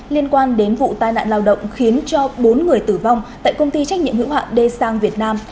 liên quan đến vụ tai nạn lao động khiến cho bốn người tử vong tại công ty trách nhiệm hữu hạn d sang việt nam